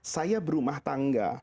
saya berumah tangga